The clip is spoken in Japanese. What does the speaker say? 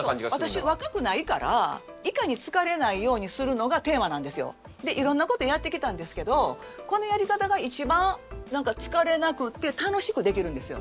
私若くないからいかに疲れないようにするのがテーマなんですよ。でいろんなことやってきたんですけどこのやり方が一番疲れなくって楽しくできるんですよ。